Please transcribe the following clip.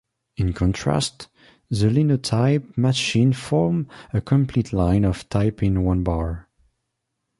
In contrast, the Linotype machine formed a complete line of type in one bar.